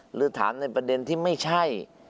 หรือถามในประเด็นที่ไม่ใช่